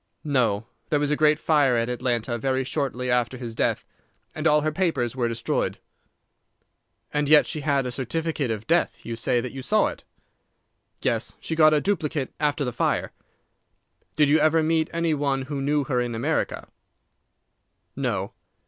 "No; there was a great fire at Atlanta very shortly after his death, and all her papers were destroyed." "And yet she had a certificate of death. You say that you saw it." "Yes; she got a duplicate after the fire." "Did you ever meet any one who knew her in America?" "No."